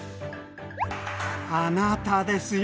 あなたですよ。